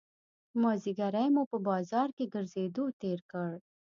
مازیګری مو په بازار کې ګرځېدو تېر کړ.